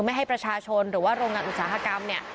ไม่ให้ประชาชนหรือว่าโรงงานอุตสาหกรรมเนี่ย